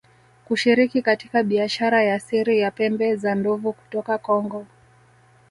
kushiriki katika biashara ya siri ya pembe za ndovu kutoka Kongo